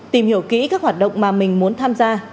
tìm hiểu kỹ các hoạt động mà mình muốn tham gia